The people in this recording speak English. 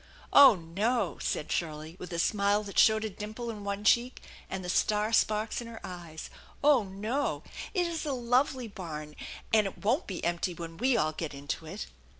" Oh, no !" said Shirley with a smile that showed a dimple in one cheek, and the star sparks in her eyes. " Oh, no ! It is a lovely barn, and it won't be empty when we all get into it."